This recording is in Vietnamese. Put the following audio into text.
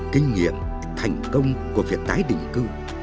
kinh nghiệm thành công của việc tái định cư